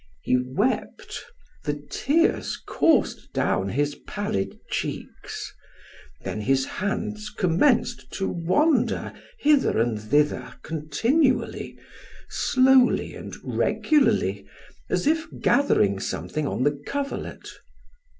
He wept; the tears coursed down his pallid cheeks. Then his hands commenced to wander hither and thither continually, slowly, and regularly, as if gathering something on the coverlet.